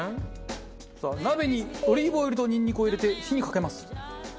さあ鍋にオリーブオイルとニンニクを入れて火にかけます。